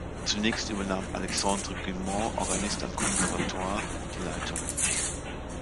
Zunächst übernahm Alexandre Guilmant, Organist am Conservatoire, die Leitung.